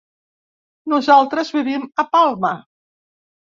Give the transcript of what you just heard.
Nosaltres vivim a Palma.